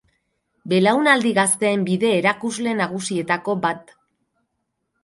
Belaunaldi gazteen bide-erakusle nagusietako bat.